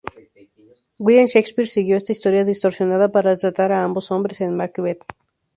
William Shakespeare siguió esta historia distorsionada para retratar a ambos hombres en "Macbeth".